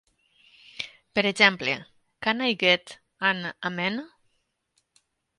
Per exemple, "Can I get an Amen?".